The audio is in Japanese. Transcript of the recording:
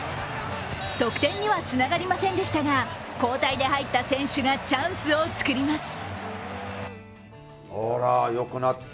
得点にはつながりませんでしたが交代で入った選手がチャンスを作ります。